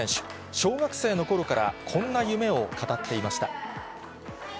小学生のころからこんな夢を語っていました。